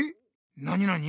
なになに？